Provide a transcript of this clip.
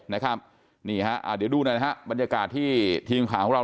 เดี๋ยวดูบรรยากาศที่ทีมข่าวของเรา